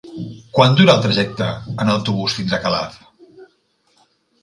Quant dura el trajecte en autobús fins a Calaf?